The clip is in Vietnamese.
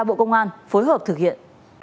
bộ công an phối hợp thực hiện